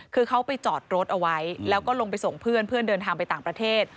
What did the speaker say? คือเขาไปจอดรถเอาไว้แล้วก็ลงไปส่งเพื่อนเพื่อนเดินทางไปต่างประเทศ